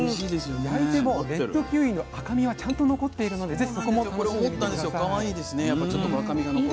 焼いてもレッドキウイの赤みはちゃんと残っているのでぜひそこも楽しんでみて下さい。